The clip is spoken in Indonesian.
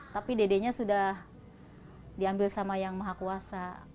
tapi dedenya sudah diambil sama yang maha kuasa